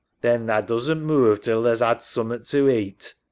Then tha doesn't move till tha's 'ad summat to eat.